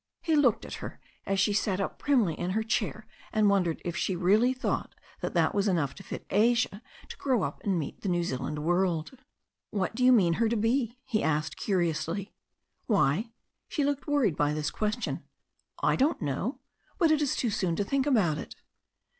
He looked at her as she sat up primly in her chair, and 150 THE STORY OF A NEW ZEALAND RIVER wondered if she really thought that that was enough to fit Asia to grow up and meet the New Zealand world. "What do you mean her to be?" he asked curiously. "Why," she looked worried by this question, "I don't know. But it is too soon to think about it."